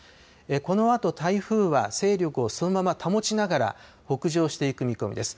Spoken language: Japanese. このあと台風は勢力をそのまま保ちながら北上していく見込みです。